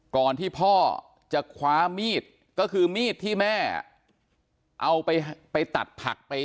ก่อนที่พ่อจะคว้ามีดก็คือมีดที่แม่เอาไปตัดผักไป